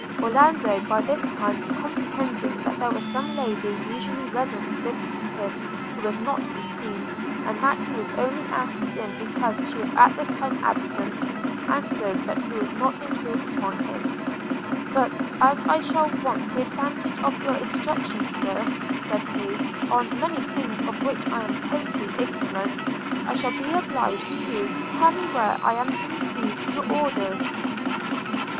Orlando by this time comprehending that there was some lady usually resident with him who was not to be seen, and that he was only asked in because she was at this time absent, answered, that he would not intrude upon him: – 'but as I shall want the advantage of your instructions, Sir,' said he, 'on many things of which I am totally ignorant, I shall be obliged to you to tell me where I am to receive your orders.'